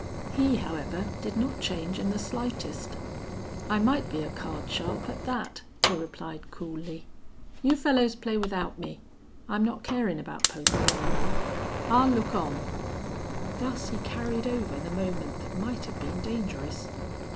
He, however, did not change in the slightest. "I might be a card sharp at that," he replied, coolly. "You fellows play without me. I'm not carin' about poker any more. I'll look on." Thus he carried over the moment that might have been dangerous.